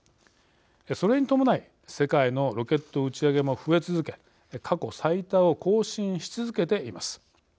それに伴い、世界のロケット打ち上げも増え続け過去最多を更新し続けています。